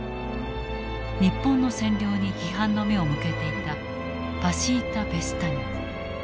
日本の占領に批判の目を向けていたパシータ・ペスタニョ。